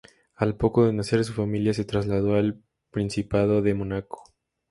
Al poco de nacer su familia se trasladó al principado de Mónaco.